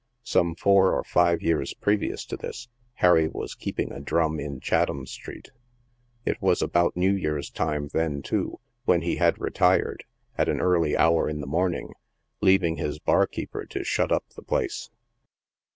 Some four or five years previous to this, Harry was keeping a " drum" in Chatham street. It was about New Years time then, too, when he had re tired, at an early hour in the morning, leaving his barkeeper to shut up the place.